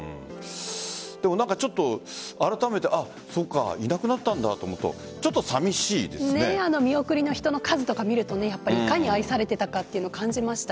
ちょっと、あらためていなくなったんだと思うと見送りの人の数とか見るといかに愛されてたかというのを感じました。